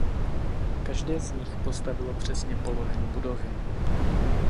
Každé z nich postavilo přesně polovinu budovy.